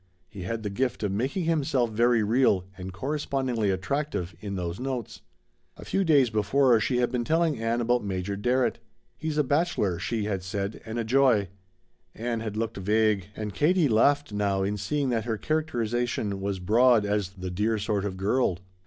He had the gift of making himself very real and correspondingly attractive in those notes. A few days before she had been telling Ann about Major Darrett. "He's a bachelor," she had said, "and a joy." Ann had looked vague, and Katie laughed now in seeing that her characterization was broad as "the dear sort of girl."